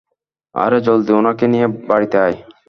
আরে জলদি ওনাকে নিয়ে বাড়িতে আয়।